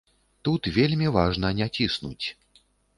Тут вельмі важна не ціснуць.